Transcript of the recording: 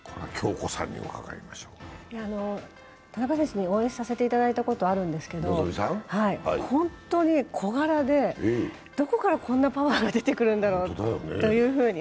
田中選手、お会いさせていただいたことあるんですけど本当に小柄で、どこからこんなパワーが出てくるんだろうというふうに。